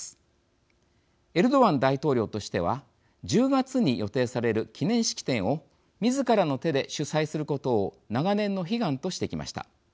エルドアン大統領としては１０月に予定される記念式典をみずからの手で主催することを長年の悲願としてきました。